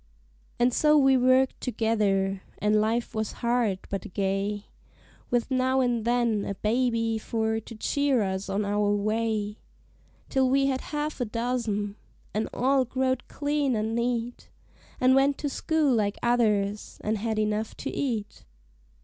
And so we worked together: and life was hard, but gay, With now and then a baby for to cheer us on our way; Till we had half a dozen, an' all growed clean an' neat, An' went to school like others, an' had enough to eat.